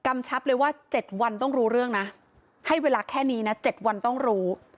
ไม่เวลาแค่นี้นะ๗วันต้องรู้